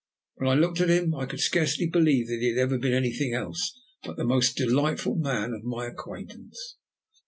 When I looked at him, I could scarcely believe that he had ever been anything else but the most delightful man of my acquaintance.